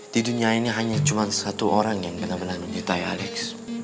di dunia ini hanya cuma satu orang yang benar benar di thai alex